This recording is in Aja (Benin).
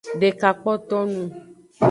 Deka kpoto nung.